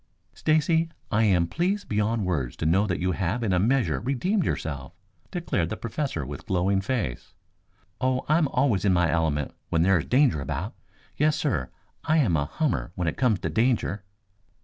"Stacy, I am pleased beyond words to know that you have in a measure redeemed yourself," declared the Professor with glowing face. "Oh, I am always in my element when there is danger about. Yes, sir, I am a hummer when it comes to danger."